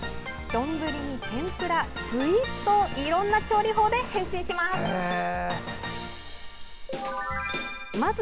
丼に天ぷら、スイーツといろんな調理法で変身します。